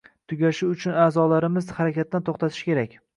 Tugashi uchun a’zolarimiz harakatdan to‘xtashi kerak.